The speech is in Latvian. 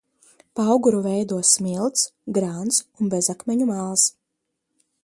Pauguru veido smilts, grants un bezakmeņu māls.